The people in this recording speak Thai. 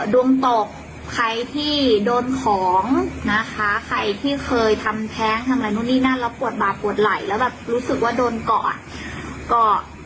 ดวงตกใครที่โดนของนะคะใครที่เคยทำแท้งทำอะไรนู่นนี่นั่นแล้วปวดบาปปวดไหลแล้วแบบรู้สึกว่าโดนก่อน